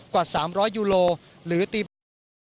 กว่า๓๐๐ยูโรหรือตีบริการ